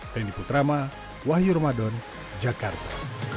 randy putrama wahyu ramadan jakarta